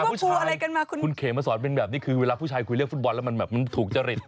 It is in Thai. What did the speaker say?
ไม่มีแต่เวลาค่ะคุณเคยมาสอนเป็นแบบนี้คือเวลาผู้ชายคุยเรียกฟุตบอลแล้วมันถูกเจริต